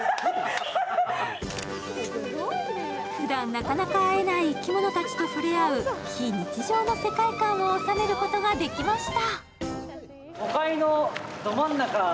ふだんなかなか会えない生き物たちと触れ合う非日常の世界観をおさめることができました。